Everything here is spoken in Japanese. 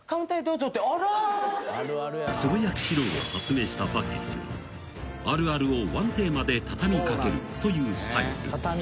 ［つぶやきシローが発明したパッケージはあるあるをワンテーマで畳み掛けるというスタイル］